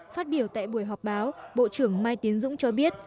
phát biểu tại buổi họp báo bộ trưởng mai tiến dũng cho biết